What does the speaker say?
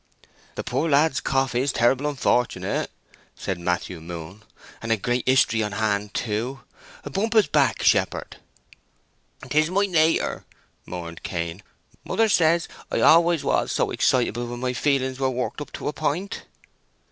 "The poor lad's cough is terrible unfortunate," said Matthew Moon. "And a great history on hand, too. Bump his back, shepherd." "'Tis my nater," mourned Cain. "Mother says I always was so excitable when my feelings were worked up to a point!"